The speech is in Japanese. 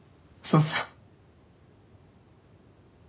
そんな。